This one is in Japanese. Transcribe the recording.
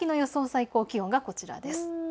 最高気温がこちらです。